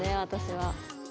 私は。